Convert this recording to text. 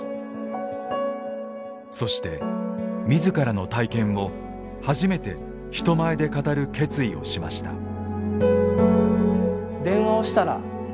そして自らの体験を初めて人前で語る決意をしました。